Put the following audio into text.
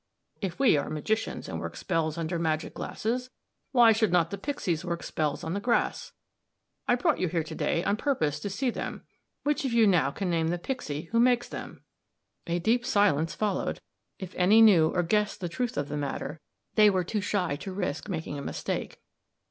"If we are magicians and work spells under magic glasses, why should not the pixies work spells on the grass? I brought you here to day on purpose to see them. Which of you now can name the pixie who makes them?" A deep silence followed. If any knew or guessed the truth of the matter, they were too shy to risk making a mistake.